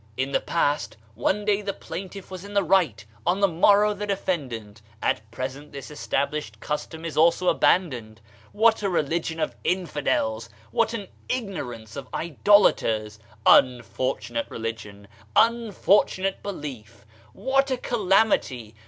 In the past, one day the plaintiff was in the right, on the morrow the defendant. At present this es tablished custom is also abandoned! What a re ligion of infidels I What an ignorance of idolaters I Unfortunate religion I Unfortunate belief! What a calamity!